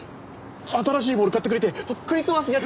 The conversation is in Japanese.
新しいボールを買ってくれてクリスマスには。